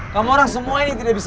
kamu orang semua ini tidak bisa